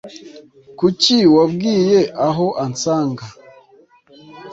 Kuki wabwiye aho ansanga?